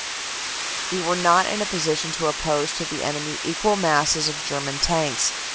" We were not in a position to oppose to the enemy equal masses of German tanks.